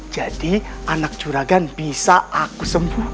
jadi anak juragan bisa aku pilih